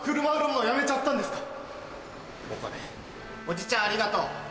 おじちゃんありがとう。